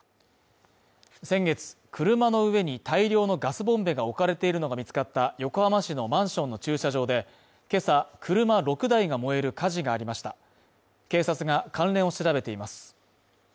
先月車の上に大量のガスボンベが置かれているのが見つかった横浜市のマンションの駐車場で、今朝車６台が燃える火事がありました警察が関連を調べています。